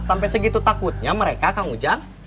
sampai segitu takutnya mereka kang ujang